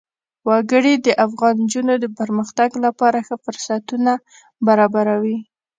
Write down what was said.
وګړي د افغان نجونو د پرمختګ لپاره ښه فرصتونه برابروي.